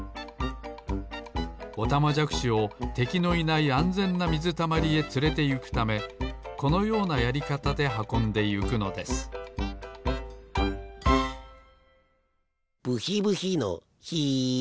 オタマジャクシをてきのいないあんぜんなみずたまりへつれてゆくためこのようなやりかたではこんでゆくのですブヒブヒのヒ。